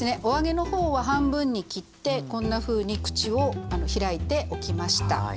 お揚げの方は半分に切ってこんなふうに口を開いておきました。